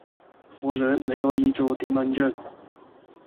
“我想，你可以做點文章……”